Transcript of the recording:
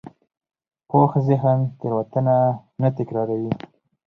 پوخ ذهن تېروتنه نه تکراروي